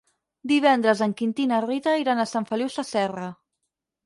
Divendres en Quintí i na Rita iran a Sant Feliu Sasserra.